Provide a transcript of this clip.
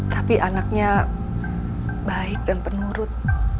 tapi anaknya baik dan penurut